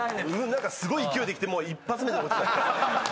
すごい勢いできてもう１発目で落ちた。